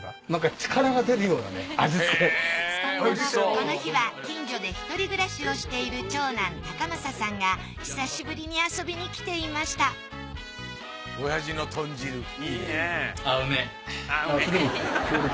この日は近所で一人暮らしをしている長男孝征さんが久しぶりに遊びに来ていましたおやじの豚汁いいねぇ。